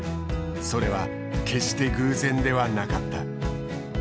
それは決して偶然ではなかった。